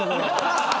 ハハハハ！